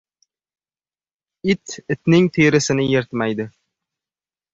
• It itning terisini yirtmaydi.